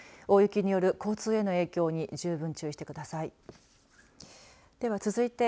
大雪による交通への影響に十分注意してください。